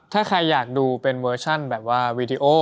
ถ้าใครอยากดูเป็นเวอร์ชั่นแบบว่าวีดีโอ